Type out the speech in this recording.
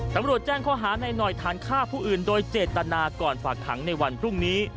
ตำรวจแจ้งข้อหานายหน่อยฐานฆ่าผู้อื่นโดยเจตนาก่อนฝากหังในวันพรุ่งนี้